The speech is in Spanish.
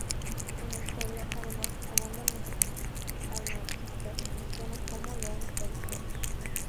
En la historia, además, abundan los anarquistas cristianos como León Tolstói.